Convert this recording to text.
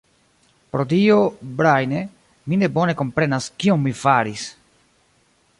Pro Dio, Breine, mi ne bone komprenas, kion mi faris.